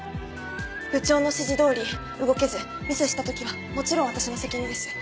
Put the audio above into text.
部長の指示どおり動けずミスした時はもちろん私の責任です。